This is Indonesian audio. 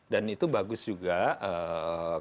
dan itu bagus juga ketika